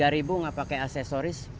tiga ribu gak pake aksesoris